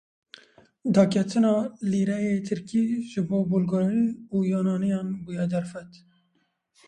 Daketina lîreyê Tirkî ji bo Bulgarî û Yunaniyan bûye derfet.